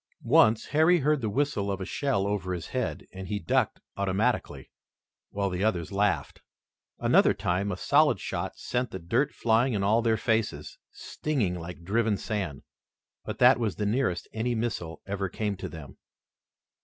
Once Harry heard the whistle of a shell over his head, and he ducked automatically, while the others laughed. Another time, a solid shot sent the dirt flying in all their faces, stinging like driven sand, but that was the nearest any missile ever came to them.